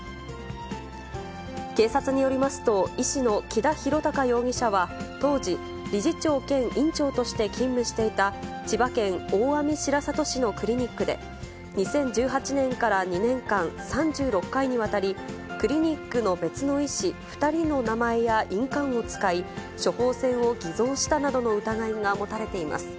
警察によりますと、医師の木田博隆容疑者は、当時、理事長兼院長として勤務していた、千葉県大網白里市のクリニックで、２０１８年から２年間、３６回にわたり、クリニックの別の医師２人の名前や印鑑を使い、処方箋を偽造したなどの疑いが持たれています。